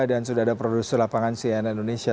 dan sudah ada produser lapangan cnn indonesia